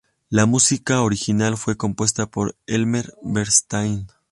La música original fue compuesta por Elmer Bernstein.